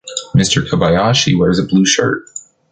Mr. Kobayashi wears a blue shirt.